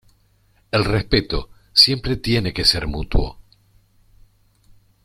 El respeto siempre tiene que ser mutuo.